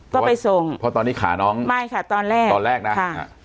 ก็ไปส่งเพราะตอนนี้ขาน้องไม่ค่ะตอนแรกตอนแรกนะค่ะ